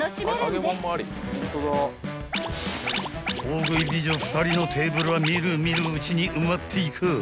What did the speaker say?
［大食い美女２人のテーブルは見る見るうちに埋まっていかぁ］